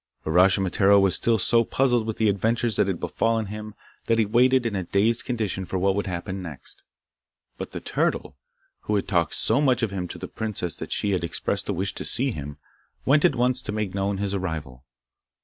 Uraschimataro was still so puzzled with the adventures that had befallen him, that he waited in a dazed condition for what would happen next. But the turtle, who had talked so much of him to the princess that she had expressed a wish to see him, went at once to make known his arrival.